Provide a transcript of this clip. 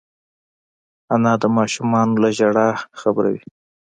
انا د ماشومانو له ژړا خبروي